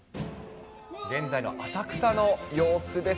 現在の浅草の様子です。